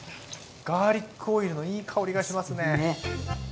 ガーリックオイルのいい香りがしますね。ね。